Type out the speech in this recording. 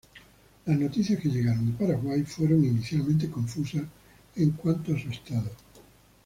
Las noticias que llegaron de Paraguay fueron inicialmente confusas en cuanto a su estado.